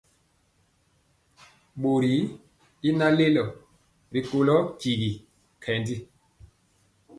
Bori y naŋ lelo rikolo tyigi nkɛndi.